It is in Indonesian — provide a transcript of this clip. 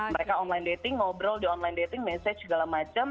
mereka online dating ngobrol di online dating message segala macam